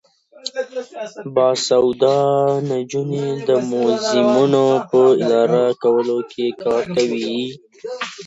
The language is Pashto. باسواده نجونې د موزیمونو په اداره کولو کې کار کوي.